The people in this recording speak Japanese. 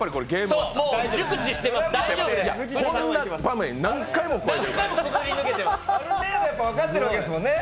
ある程度分かってるわけですもんね。